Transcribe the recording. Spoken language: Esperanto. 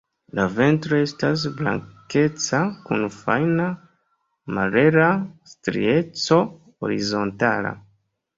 La ventro estas blankeca kun fajna malhela strieco horizontala.